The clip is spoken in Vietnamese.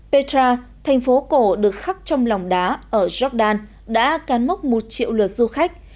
petra thành phố cổ được khắc trong lòng đá ở jordan đã cán mốc một triệu lượt du khách